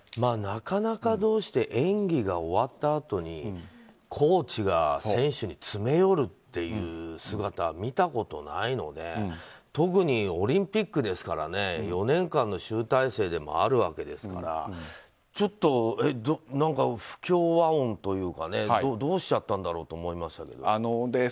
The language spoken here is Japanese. なかなかどうして演技が終わったあとにコーチが選手に詰め寄るっていう姿は見たことないので特にオリンピックですからね４年間の集大成でもあるわけですからちょっと何か不協和音というかどうしちゃったんだろうと思いましたけどね。